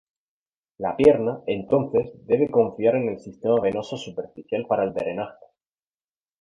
La pierna, entonces, debe confiar en el sistema venoso superficial para el drenaje.